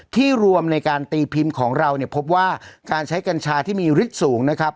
ที่รวมในการตีพิมพ์ของเราเนี่ยพบว่าการใช้กัญชาที่มีฤทธิ์สูงนะครับ